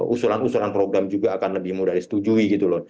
usulan usulan program juga akan lebih mudah disetujui